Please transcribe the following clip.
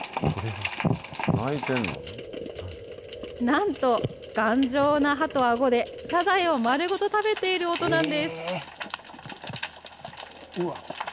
なんと、頑丈な歯とあごで、サザエを丸ごと食べている音なんです。